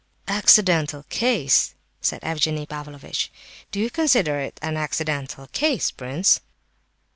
"Accidental case!" said Evgenie Pavlovitch. "Do you consider it an accidental case, prince?"